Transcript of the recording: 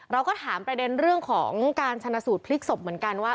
เราก็ถามประเด็นเรื่องของการชนะสูตรพลิกศพเหมือนกันว่า